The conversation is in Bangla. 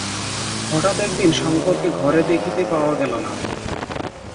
হঠাৎ একদিন শংকরকে ঘরে দেখিতে পাওয়া গেল না।